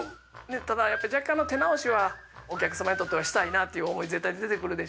ただやっぱり若干の手直しはお客様にとってはしたいなっていう思い絶対出てくるでしょうけど。